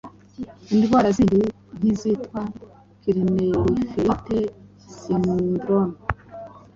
indwara zindi nk'izitwa klinelfelter syndrome